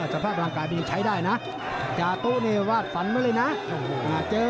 สภาพร่างกายนี้ใช้ได้นะจาตุ๊นี่วาดฝันไว้เลยนะ